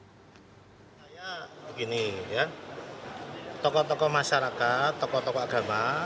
saya begini ya tokoh tokoh masyarakat tokoh tokoh agama